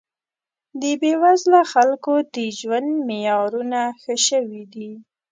د بې وزله خلکو د ژوند معیارونه ښه شوي دي